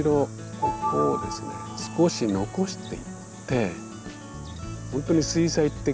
ここをですね少し残していって本当に水彩って